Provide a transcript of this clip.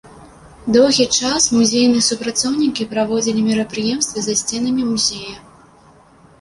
Доўгі час музейныя супрацоўнікі праводзілі мерапрыемствы за сценамі музея.